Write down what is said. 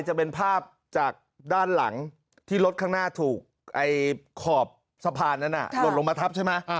จะเป็นภาพจากด้านหลังที่รถข้างหน้าถูกขอบสะพานนั้นหล่นลงมาทับใช่ไหม